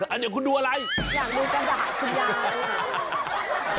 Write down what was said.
อันนี้คุณดูอะไรอยากดูกันจะหาสัญญาณ